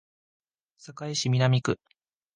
堺市南区